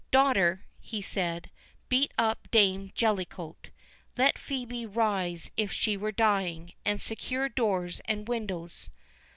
"Daughter," he said, "beat up dame Jellicot—Let Phœbe rise if she were dying, and secure doors and windows."